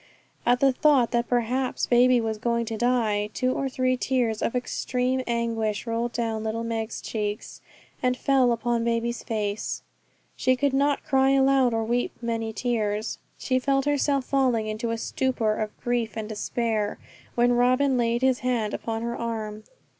At the thought that perhaps baby was going to die, two or three tears of extreme anguish rolled down little Meg's cheeks, and fell upon baby's face; but she could not cry aloud, or weep many tears. She felt herself falling into a stupor of grief and despair, when Robin laid his hand upon her arm.